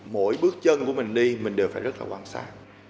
mỗi bước chân của mình đi mình đều phải rất là quan sát